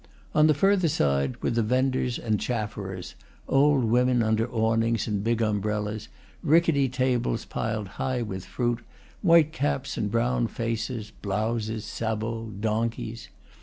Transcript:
On the further side were the venders and chafferers, old women under awnings and big um brellas, rickety tables piled high with fruit, white caps and brown faces, blouses, sabots, donkeys.